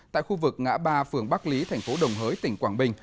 tại khu vực ngã ba phường bắc lý thành phố đồng hới tỉnh quảng bình